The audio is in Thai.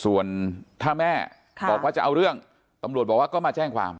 ส่วนถ้าแม่บอกว่าจะเอาเรื่องตำรวจบอกว่าก็มาแจ้งความ